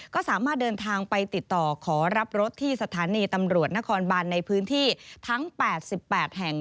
ก็สามารถเดินทางไปติดต่อขอรับรถที่สถานีตำรวจนครบานในพื้นที่ทั้ง๘๘แห่ง